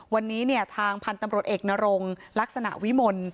วันนี้เนี่ยทางพันธุ์ตำรวจเอกนรงลักษณะวิมล